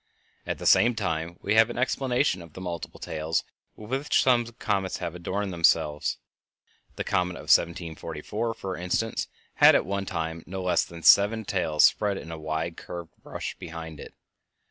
At the same time we have an explanation of the multiple tails with which some comets have adorned themselves. The comet of 1744, for instance, had at one time no less than seven tails spread in a wide curved brush behind it.